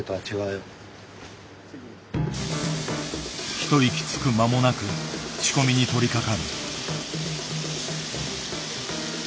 一息つく間もなく仕込みに取りかかる。